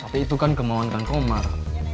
tapi itu kan kemauankan komar